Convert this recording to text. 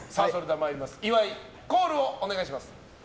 岩井、コールをお願いします。